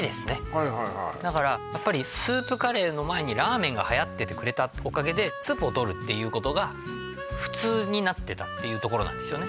はいはいやっぱりスープカレーの前にラーメンがはやっててくれたおかげでスープをとるっていうことが普通になってたっていうところなんですよね